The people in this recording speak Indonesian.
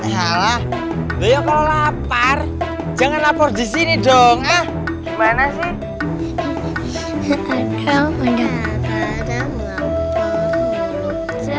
salah beliau kalau lapar jangan lapor di sini dong ya gimana sih